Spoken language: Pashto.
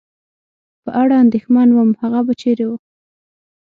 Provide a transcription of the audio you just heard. د په اړه اندېښمن ووم، هغه به چېرې و؟